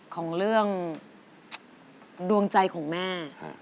ของเรื่องดวงใจของแม่